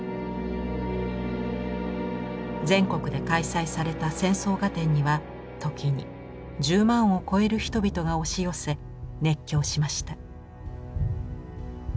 全国で開催された「戦争画展」には時に１０万を超える人々が押し寄せ熱狂しました。